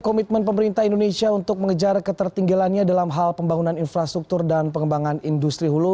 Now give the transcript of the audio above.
komitmen pemerintah indonesia untuk mengejar ketertinggalannya dalam hal pembangunan infrastruktur dan pengembangan industri hulu